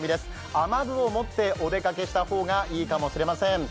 雨具を持ってお出かけした方がいいかもしれません。